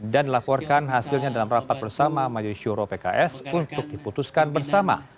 dan dilaporkan hasilnya dalam rapat bersama majelis yoro pks untuk diputuskan bersama